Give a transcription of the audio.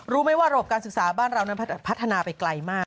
รู้ไหมว่าระบบการศึกษาบ้านเรานั้นพัฒนาไปไกลมาก